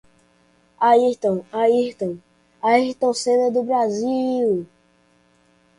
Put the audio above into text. Ayrton, Ayrton... Ayrton Senna, do Brasil!!!